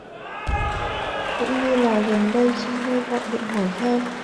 Cũng như là gần đây trinh hay gọi điện hỏi han